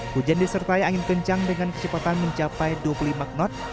hujan disertai angin kencang dengan kecepatan mencapai dua puluh lima knot